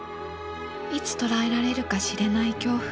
いつ捕らえられるかしれない恐怖。